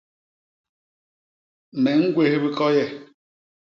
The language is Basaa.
Me ñgwés bikoye.